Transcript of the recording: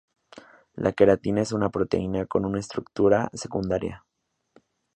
La queratina es una proteína con una estructura secundaria.